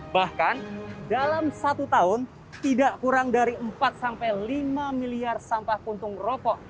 bahkan dalam satu tahun tidak kurang dari empat sampai lima miliar sampah puntung rokok